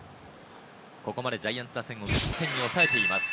ここまでジャイアンツ打線を０点で抑えています。